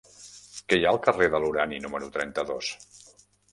Què hi ha al carrer de l'Urani número trenta-dos?